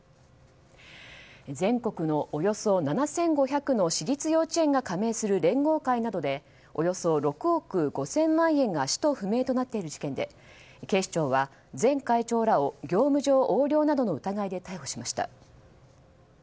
全国のおよそ７５００の私立幼稚園が加盟する連合会などでおよそ６億５０００万円が使途不明となっている事件で警視庁は前会長らを業務上横領の疑いで逮捕しました。